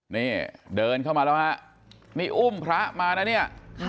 นี่เดินเข้ามาแล้วฮะนี่อุ้มพระมานะเนี่ย